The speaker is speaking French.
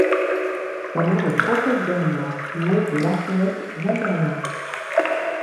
Sa mère est Françoise Bernard, nièce de l'archevêque Jean Bernard.